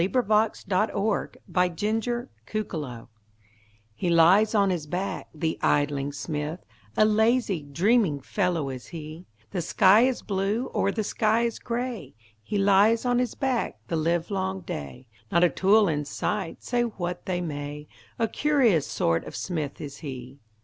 Helen Hunt Jackson The Poet's Forge HE lies on his back, the idling smith, A lazy, dreaming fellow is he; The sky is blue, or the sky is gray, He lies on his back the livelong day, Not a tool in sight, say what they may, A curious sort of smith is he.